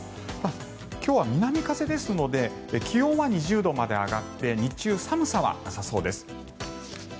今日は南風ですので気温は２０度まで上がって日中、寒さはなさそうです。